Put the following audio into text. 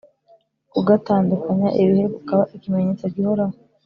kugatandukanya ibihe, kukaba ikimenyetso gihoraho.